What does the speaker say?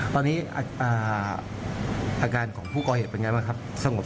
ตอนนี้อาการของผู้ก่อเหตุเป็นอย่างไรบ้างครับ